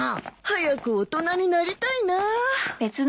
早く大人になりたいな。